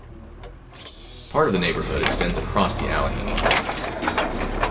Part of the neighborhood extends across the Allegheny.